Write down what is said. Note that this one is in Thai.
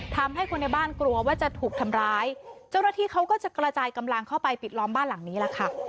ทำให้คนในบ้านกลัวว่าจะถูกทำร้ายเจ้าหน้าที่เขาก็จะกระจายกำลังเข้าไปปิดล้อมบ้านหลังนี้แหละค่ะ